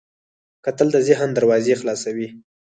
کتل د ذهن دروازې خلاصوي